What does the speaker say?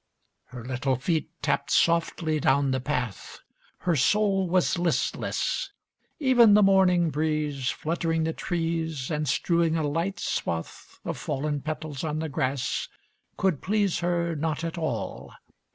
II Her little feet tapped softly down the path. Her soul was listless; even the morning breeze Fluttering the trees and strewing a light swath Of fallen petals on the grass, could please Her not at all.